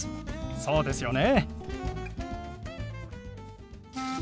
そうですよね。